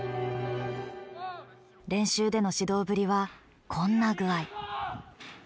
練習での指導ぶりはこんな具合。